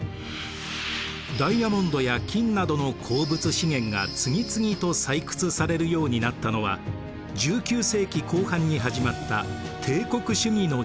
ダイヤモンドや金などの鉱物資源が次々と採掘されるようになったのは１９世紀後半に始まった帝国主義の時代。